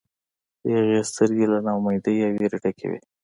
د هغې سترګې له نا امیدۍ او ویرې ډکې وې